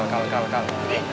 kal kal kal